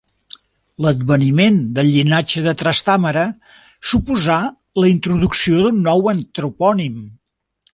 L'adveniment del llinatge de Trastàmara suposà la introducció d'un nou antropònim: